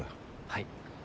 はい。